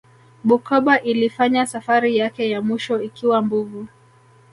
bukoba ilifanya safari yake ya mwisho ikiwa mbovu